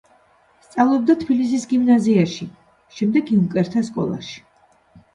სწავლობდა თბილისის გიმნაზიაში, შემდეგ იუნკერთა სკოლაში.